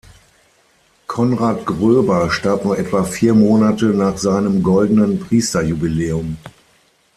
Conrad Gröber starb nur etwa vier Monate nach seinem goldenen Priesterjubiläum.